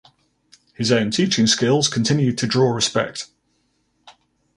His own teaching skills continued to draw respect.